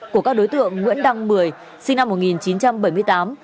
của các đối tượng nguyễn đăng mười sinh năm một nghìn chín trăm bảy mươi tám